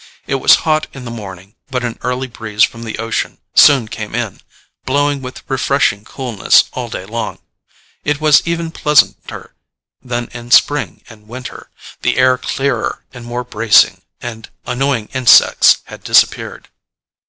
It was hot in the morning, but an early breeze from the ocean soon came in, blowing with refreshing coolness all day long. It was even pleasanter than in spring and winter, the air clearer and more bracing, and annoying insects had disappeared.